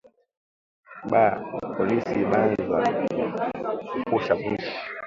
Ba polisi baanza fukusha mwishi